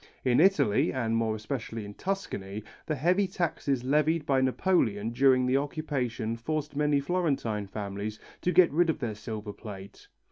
In Italy, and more especially in Tuscany, the heavy taxes levied by Napoleon during the occupation forced many Florentine families to get rid of their silver plate.